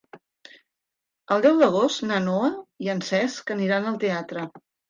El deu d'agost na Noa i en Cesc aniran al teatre.